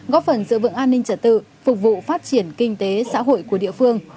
góp phần giữ vững an ninh trật tự phục vụ phát triển kinh tế xã hội của địa phương